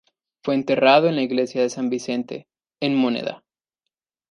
Fue enterrado en la iglesia de San Vincente, en Módena.